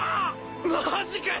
マジかよ！